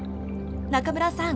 中村さん